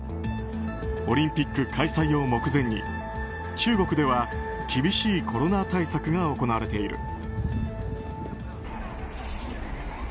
オリンピック開催を目前に中国では厳しいコロナ対策が行われている。